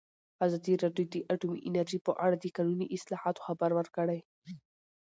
ازادي راډیو د اټومي انرژي په اړه د قانوني اصلاحاتو خبر ورکړی.